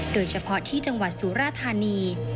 โดยเฉพาะที่จังหวัดสุราธานี